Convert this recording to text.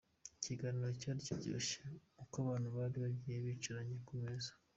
Ikiganiro cyari kiryoshye uko abantu bari bagiye bicaranye ku meza.